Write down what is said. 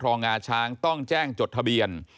ครอบครองงาช้างต้องแจ้งจดทะเบียน